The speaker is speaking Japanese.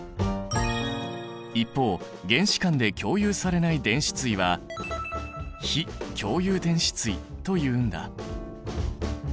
一方原子間で共有されない電子対は非共有電子対というんだ。